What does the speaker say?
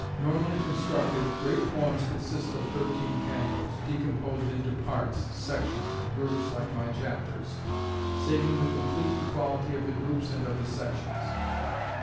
"Normally constructed, great poems consist of thirteen cantos, decomposed into parts, sections, and groups like my chapters, saving the complete equality of the groups and of the sections."